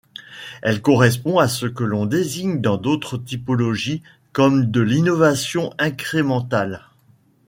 Elle correspond à ce que l'on désigne dans d'autres typologies comme de l'innovation incrémentale.